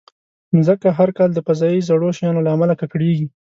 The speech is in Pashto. مځکه هر کال د فضایي زړو شیانو له امله ککړېږي.